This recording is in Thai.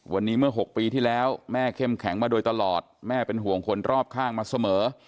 วันนี้เมื่อ๖ปีที่แล้วแม่เข้มแข็งมาโดยตลอดแม่เป็นห่วงคนรอบข้างมาเสมอ